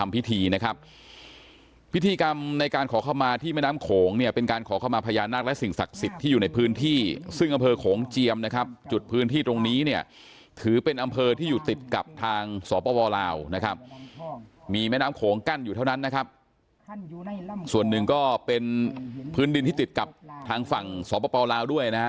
พิธีกรรมในการขอเข้ามาที่แม่น้ำโขงเนี่ยเป็นการขอเข้ามาพญานาคและสิ่งศักดิ์สิทธิ์ที่อยู่ในพื้นที่ซึ่งอำเภอโขงเจียมนะครับจุดพื้นที่ตรงนี้เนี่ยถือเป็นอำเภอที่อยู่ติดกับทางศปลาวนะครับมีแม่น้ำโขงกั้นอยู่เท่านั้นนะครับส่วนหนึ่งก็เป็นพื้นดินที่ติดกับทางฝั่งศปลา